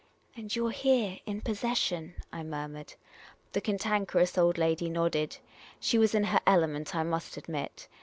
" And you 're here in possession !" I murmured. The Cantankerous Old Lady nodded. She was in her element, I must admit.